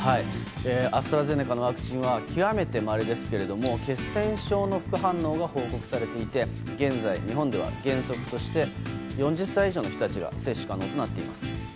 アストラゼネカのワクチンは極めてまれですが血栓症の副反応が報告されていて現在、日本では原則として４０歳以上の人たちが接種可能となっています。